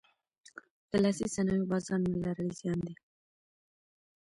د لاسي صنایعو بازار نه لرل زیان دی.